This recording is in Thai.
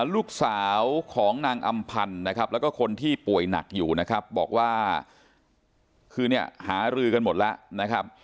ลูกสาวของนางอำพันธ์นะครับแล้วก็คนที่ป่วยหนักอยู่นะครับบอกว่าคือเนี่ยหารือกันหมดแล้วนะครับ